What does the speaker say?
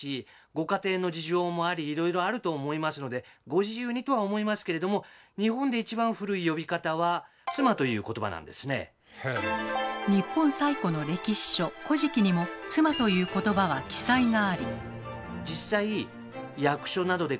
ご家庭の事情もありいろいろあると思いますので日本最古の歴史書「古事記」にも「妻」という言葉は記載があり。